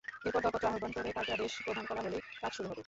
এরপর দরপত্র আহ্বান করে কার্যাদেশ প্রদান করা হলেই কাজ শুরু হবে।